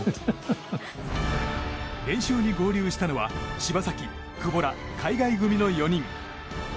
練習に合流したのは柴崎、久保ら海外組の４人。